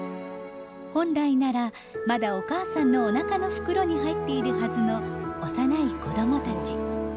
本来ならまだお母さんのおなかの袋に入っているはずの幼い子どもたち。